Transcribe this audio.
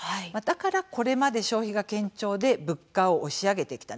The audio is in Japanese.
だから、これまで消費が堅調で物価を押し上げてきたんです。